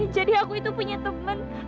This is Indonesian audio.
jadi aku itu punya temen